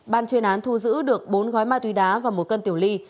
ban chuyên án thu giữ được bốn gói ma túy đá và một cân tiểu ly